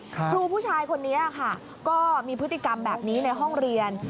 ครูผู้ชายคนนี้ค่ะก็มีพฤติกรรมแบบนี้ในห้องเรียน